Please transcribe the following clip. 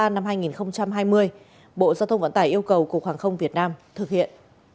năm hai nghìn hai mươi bộ giao thông vận tải yêu cầu cục hàng không việt nam thực hiện